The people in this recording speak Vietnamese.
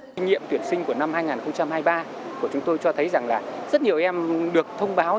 kinh nghiệm tuyển sinh của năm hai nghìn hai mươi ba của chúng tôi cho thấy rằng là rất nhiều em được thông báo